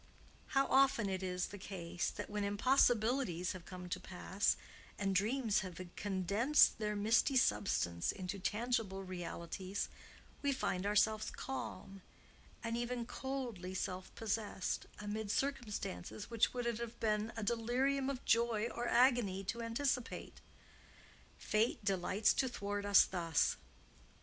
How often is it the case that, when impossibilities have come to pass and dreams have condensed their misty substance into tangible realities, we find ourselves calm, and even coldly self possessed, amid circumstances which it would have been a delirium of joy or agony to anticipate! Fate delights to thwart us thus.